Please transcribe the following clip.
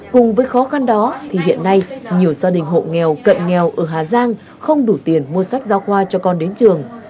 cùng với khó khăn đó thì hiện nay nhiều gia đình hộ nghèo cận nghèo ở hà giang không đủ tiền mua sách giáo khoa cho con đến trường